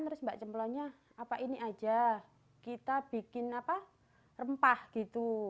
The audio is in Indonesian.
terus mbak jemplonnya apa ini aja kita bikin apa rempah gitu